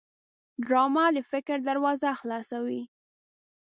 ډرامه د فکر دروازه خلاصوي